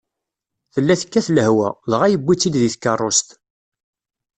Tella tekkat lehwa, dɣa yewwi-tt-id deg tkeṛṛust.